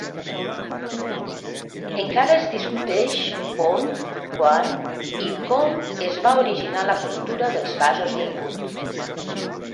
Encara es discuteix on, quan i com es va originar la cultura dels vasos d'embut.